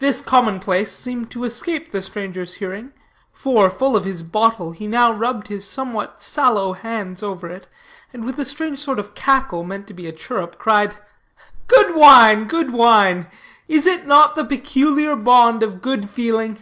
This commonplace seemed to escape the stranger's hearing, for, full of his bottle, he now rubbed his somewhat sallow hands over it, and with a strange kind of cackle, meant to be a chirrup, cried: "Good wine, good wine; is it not the peculiar bond of good feeling?"